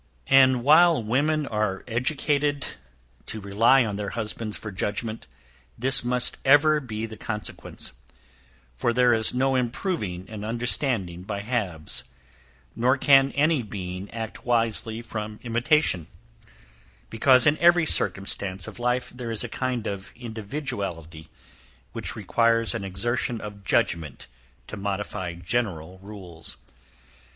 And whilst women are educated to rely on their husbands for judgment, this must ever be the consequence, for there is no improving an understanding by halves, nor can any being act wisely from imitation, because in every circumstance of life there is a kind of individuality, which requires an exertion of judgment to modify general rules.